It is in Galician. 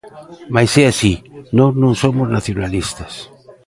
Mais é así, nós non somos nacionalistas.